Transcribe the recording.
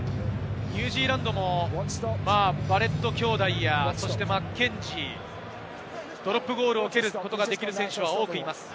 ニュージーランドもバレット兄弟やマッケンジー、ドロップゴールを蹴ることができる選手は多くいます。